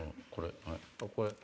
これ。